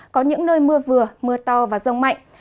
có những nơi mưa vừa mưa to và rông mạnh